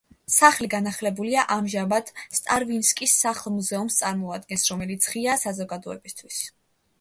სახლი განახლებულია და ამჟამად სტრავინსკის სახლ-მუზეუმს წარმოადგენს, რომელიც ღიაა საზოგადოებისთვის.